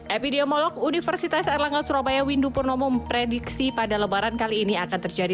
epidemiolog universitas erlangga surabaya windu purnomo memprediksi pada lebaran kali ini akan terjadi